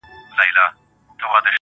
كه د زړه غوټه درته خلاصــه كــړمــــــه.